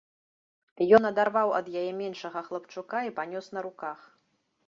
Ён адарваў ад яе меншага хлапчука і панёс на руках.